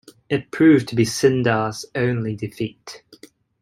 It proved to be Sinndar's only defeat.